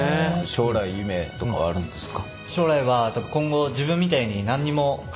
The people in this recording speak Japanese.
将来夢とかはあるんですか？